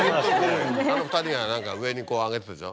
あの２人が上に上げてたでしょ。